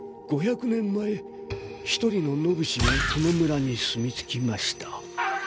５００年前一人の野武士がこの村に住みつきました。